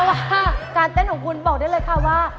ว่าการเต้นของคุณบอกได้เลยค่ะว่า